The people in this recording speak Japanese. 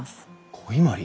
古伊万里。